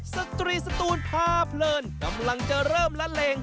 สตรีสตูนพาเพลินกำลังจะเริ่มละเลง